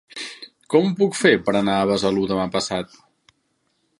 Com ho puc fer per anar a Besalú demà passat?